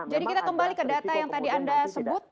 jadi kita kembali ke data yang tadi anda sebut